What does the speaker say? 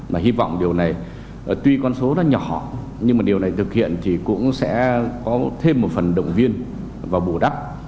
mà hy vọng điều này tuy con số nó nhỏ nhưng mà điều này thực hiện thì cũng sẽ có thêm một phần động viên và bù đắp